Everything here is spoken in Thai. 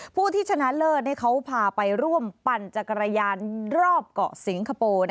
ผู้ที่ชนะเลิศเขาพาไปร่วมปั่นจักรยานรอบเกาะสิงคโปร์